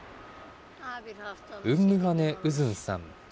ウンムハネ・ウズンさん。